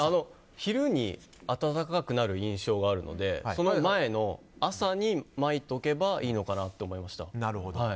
昼に暖かくなる印象があるのでその前の朝にまいておけばいいのかなと思いました。